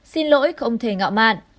xin lỗi không thể ngạo mạn